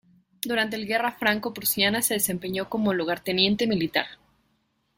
Durante el guerra franco-prusiana se desempeñó como lugarteniente militar.